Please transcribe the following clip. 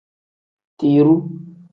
Tiruu.